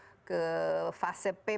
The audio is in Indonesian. dan kita masuk ke fase ppkm dan ppkm